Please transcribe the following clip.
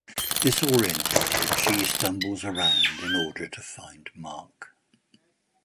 Disoriented, she stumbles around in order to find Marc.